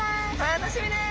楽しみです。